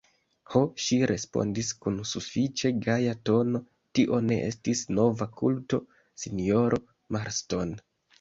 Ho, ŝi respondis kun sufiĉe gaja tono, tio ne estas nova kulto, sinjoro Marston.